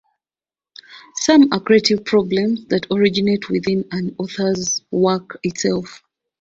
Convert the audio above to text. Some are creative problems that originate within an author's work itself.